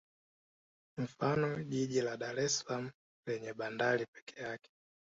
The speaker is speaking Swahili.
Mfano jiji la Dar es salaam lenye bandari pembeni yake